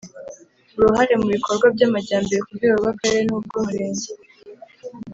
Uruhare mu Bikorwa by Amajyambere ku rwego rw Akarere n urw Umurenge